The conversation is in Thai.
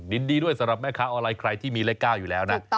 ยินดีด้วยสำหรับแม่ค้าออนไลน์ใครที่มีเลข๙อยู่แล้วนะ